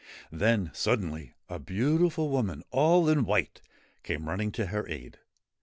Then, suddenly, a beautiful woman all in white came running to her aid.